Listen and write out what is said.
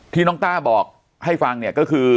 ที่น้องต้าบอกให้ฟังเนี่ยก็คือ